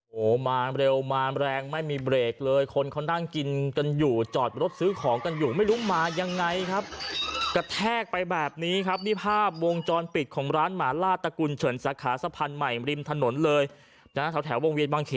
โอ้โหมาเร็วมาแรงไม่มีเบรกเลยคนเขานั่งกินกันอยู่จอดรถซื้อของกันอยู่ไม่รู้มายังไงครับกระแทกไปแบบนี้ครับนี่ภาพวงจรปิดของร้านหมาลาดตะกุลเฉินสาขาสะพานใหม่ริมถนนเลยนะแถวแถววงเวียนบางเข